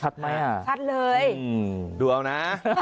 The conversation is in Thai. ดูเอานะ